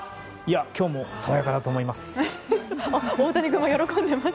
今日も爽やかだと思います。